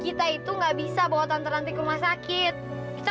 kita itu gak bisa bawa tante ke rumah sakit itu ya